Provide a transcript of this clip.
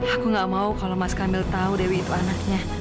aku gak mau kalau mas kamil tahu dewi itu anaknya